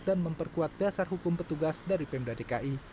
dan memperkuat dasar hukum petugas dari pemda dki